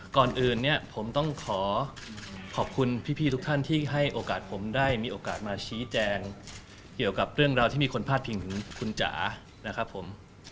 ก่อนอื่นเนี่ยผมต้องขอขอบคุณพี่ทุกท่านที่ให้โอกาสผมได้มีโอกาสมาชี้แจงเกี่ยวกับเรื่องราวที่มีคนพาดพิงถึงคุณจ๋านะครับผม